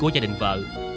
gia đình vợ